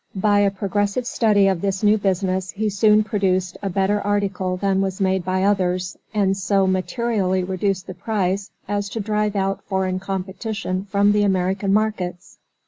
By a progressive study of this new business he soon produced a better article than was made by others, and so materially reduced the price as to drive out foreign competition from the American markets.